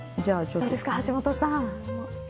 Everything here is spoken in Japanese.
どうですか橋下さん。